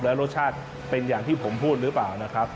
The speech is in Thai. แล้วรสชาติเป็นอย่างที่ผมพูดหรือเปล่านะครับ